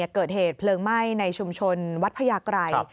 เกิดเหตุเพลิงไหม้ในชุมชนวัดพญาไกร